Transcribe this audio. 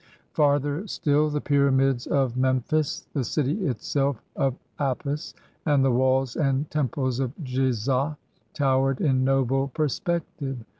Farther still the pyramids of Memphis, the city itself of Apis, and the walls and tem ples of Jisah towered in noble perspective.